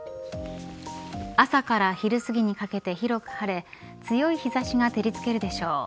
朝から昼すぎにかけて広く晴れ強い日差しが照りつけるでしょう。